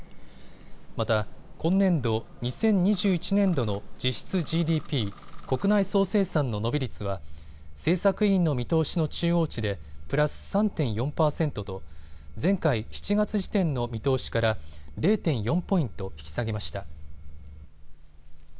また今年度・２０２１年度の実質ＧＤＰ・国内総生産の伸び率は政策委員の見通しの中央値でプラス３．４％と前回７月時点の見通しから０．４ポイント引き下げました。